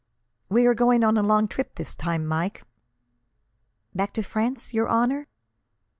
"We are going on a long trip this time, Mike." "Back to France, your honour?"